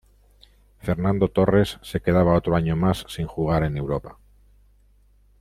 Fernando Torres se quedaba otro año más sin jugar en Europa.